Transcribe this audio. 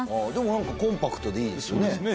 でも何かコンパクトでいいですね。